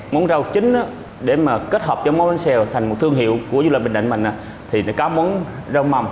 món rau chính để mà kết hợp cho món bánh xèo thành một thương hiệu của du lịch bình định mình thì nó có món rau mầm